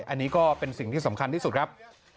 อันนี้ก็เป็นสิ่งที่สำคัญที่สุดครับ